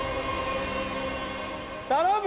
頼む